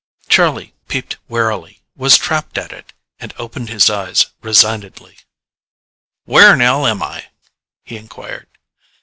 Charlie peeped warily, was trapped at it, and opened his eyes resignedly. "Where'n'ell am I?" he inquired.